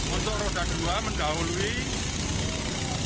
untuk roda kedua mendahului mobil pick up